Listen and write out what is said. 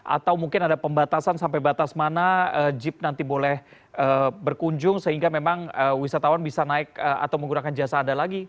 atau mungkin ada pembatasan sampai batas mana jeep nanti boleh berkunjung sehingga memang wisatawan bisa naik atau menggunakan jasa anda lagi